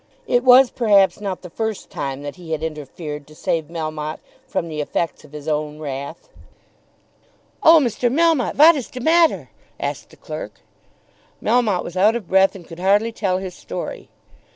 It was perhaps not the first time that he had interfered to save Melmotte from the effects of his own wrath. "Oh, Mr. Melmotte, vat is de matter?" asked the clerk. Melmotte was out of breath and could hardly tell his story.